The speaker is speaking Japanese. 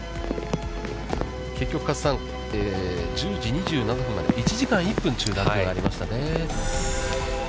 結局加瀬さん、１０時２７分まで、１時間１分の中断となりましたね。